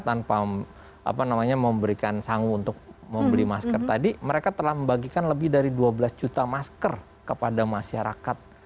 tanpa memberikan sangu untuk membeli masker tadi mereka telah membagikan lebih dari dua belas juta masker kepada masyarakat